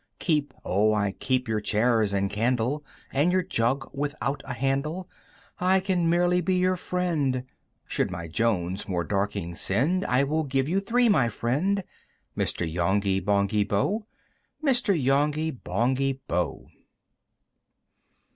"Keep, oh I keep your chairs and candle, "And your jug without a handle, "I can merely be your friend! " Should my Jones more Dorkings send, "I will give you three, my friend! "Mr. Yonghy Bonghy Bò! "Mr. Yonghy Bonghy Bò! VII.